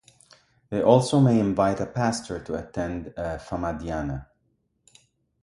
They also may invite a pastor to attend a famadihana.